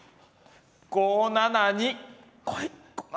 ５７２こい！